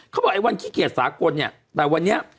เขาบอกไอ้วันขี้เกียจสากลเนี่ยแต่วันนี้